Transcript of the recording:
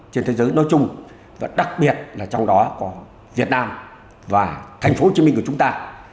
trên thế giới nói chung và đặc biệt là trong đó có việt nam và thành phố hồ chí minh của chúng ta